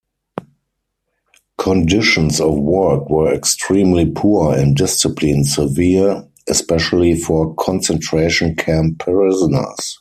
Conditions of work were extremely poor, and discipline severe, especially for concentration camp prisoners.